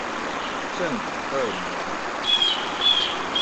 正午惡魔